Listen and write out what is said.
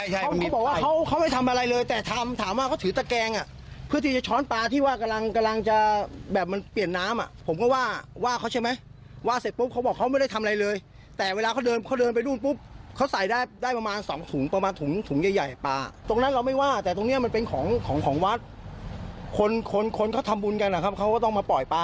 เขาบอกว่าเขาเขาไม่ทำอะไรเลยแต่ทำถามว่าเขาถือตะแกงอ่ะเพื่อที่จะช้อนปลาที่ว่ากำลังกำลังจะแบบมันเปลี่ยนน้ำอ่ะผมก็ว่าว่าเขาใช่ไหมว่าเสร็จปุ๊บเขาบอกเขาไม่ได้ทำอะไรเลยแต่เวลาเขาเดินเขาเดินไปนู่นปุ๊บเขาใส่ได้ได้ประมาณสองถุงประมาณถุงถุงใหญ่ใหญ่ปลาตรงนั้นเราไม่ว่าแต่ตรงเนี้ยมันเป็นของของวัดคนคนเขาทำบุญกันนะครับเขาก็ต้องมาปล่อยปลา